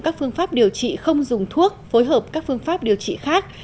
các phương pháp điều trị không dùng thuốc phối hợp các phương pháp điều trị khác